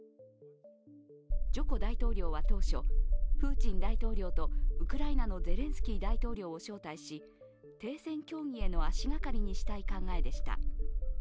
ジョコ大統領は当初、プーチン大統領とウクライナのゼレンスキー大統領を招待し、停戦協議への足がかりにしたい考えでした。